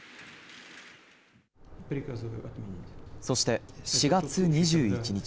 そして、４月２１日。